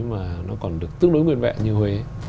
mà nó còn được tương đối nguyên vẹn như huế